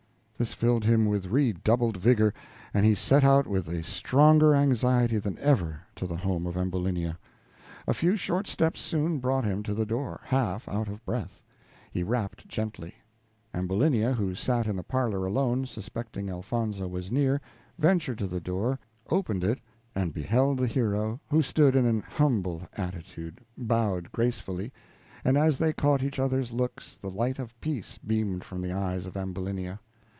This filled him with redoubled vigor, and he set out with a stronger anxiety than ever to the home of Ambulinia. A few short steps soon brought him to the door, half out of breath. He rapped gently. Ambulinia, who sat in the parlor alone, suspecting Elfonzo was near, ventured to the door, opened it, and beheld the hero, who stood in an humble attitude, bowed gracefully, and as they caught each other's looks the light of peace beamed from the eyes of Ambulinia.